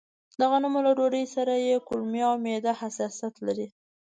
د غنمو له ډوډۍ سره يې کولمې او معده حساسيت لري.